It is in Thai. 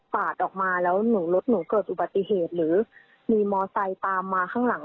แล้วรถหนูเกิดอุบัติเหตุหรือมีมอสไตล์ตามมาข้างหลัง